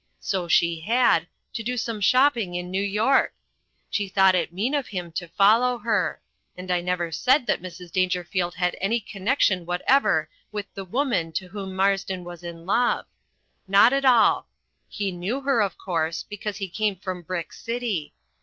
So she had to do some shopping in New York. She thought it mean of him to follow her. And I never said that Mrs. Dangerfield had any connection whatever with The Woman with whom Marsden was in love. Not at all. He knew her, of course, because he came from Brick City.